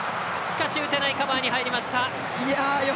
しかし、打てないカバーに入りました。